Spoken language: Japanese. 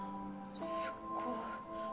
すっごい。